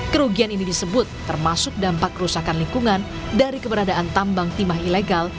kerugian ini disebut termasuk dampak kerusakan lingkungan dari keberadaan tambang timah ilegal